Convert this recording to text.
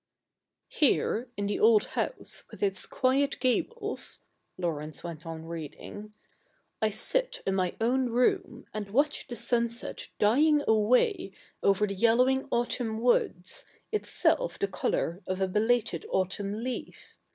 ''■^ Here in the old house with its quiet gables ^^ Laurence went on reading, '■^ I sit in my own room, and watch the sunset dying away over the yellowing autumn woods, itself the colour of a belated autumn leaf.